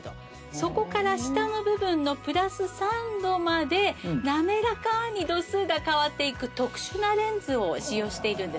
そこから下の部分のプラス３度までなめらかに度数が変わっていく特殊なレンズを使用しているんです。